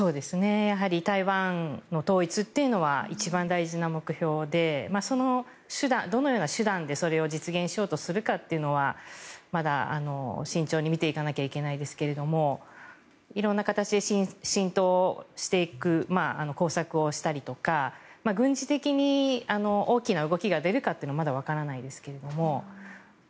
台湾の統一っていうのは一番大事な目標でどのような手段でそれを実現しようとするかというのはまだ慎重に見ていかなきゃいけないですが色んな形で浸透していく工作をしたりとか軍事的に大きな動きが出るかというのはまだわからないですけれども。